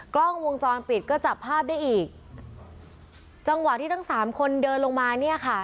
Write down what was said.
กล้องวงจรปิดก็จับภาพได้อีกจังหวะที่ทั้งสามคนเดินลงมาเนี่ยค่ะ